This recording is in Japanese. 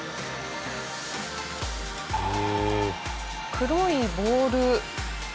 黒いボール。